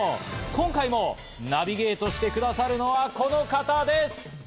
今回もナビゲートしてくださるのはこの方です！